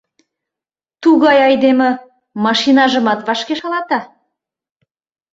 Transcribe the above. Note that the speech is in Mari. Тугай айдеме машинажымат вашке шалата.